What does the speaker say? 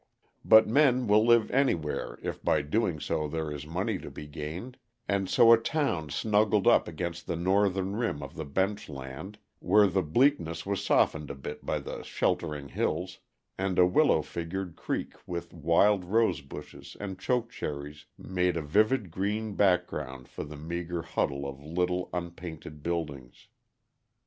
But men will live anywhere if by so doing there is money to be gained, and so a town snuggled up against the northern rim of the bench land, where the bleakness was softened a bit by the sheltering hills, and a willow fringed creek with wild rosebushes and chokecherries made a vivid green background for the meager huddle of little, unpainted buildings.